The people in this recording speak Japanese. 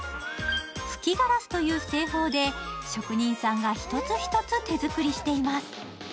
吹きガラスという製法で、職人さんが一つ一つ手作りしています。